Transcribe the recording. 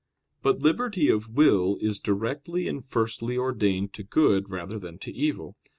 But liberty of will is directly and firstly ordained to good rather than to evil.